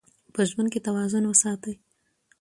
په ژوند کې توازن وساتئ.